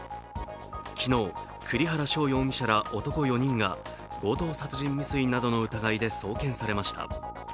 昨日、栗原翔容疑者ら男４人が強盗殺人未遂などの疑いで送検されました。